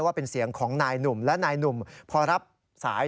ว่าเป็นเสียงของนายหนุ่มและนายหนุ่มพอรับสาย